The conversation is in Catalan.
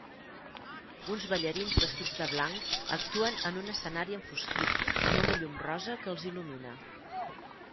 Uns ballarins vestits de blanc actuen en un escenari enfosquit amb una llum rosa que els il·lumina.